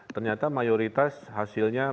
ternyata mayoritas hasilnya